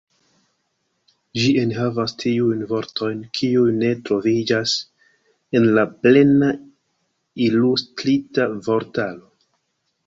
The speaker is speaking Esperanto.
Ĝi enhavas tiujn vortojn kiuj ne troviĝas en la "Plena Ilustrita Vortaro".